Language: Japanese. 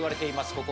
ここ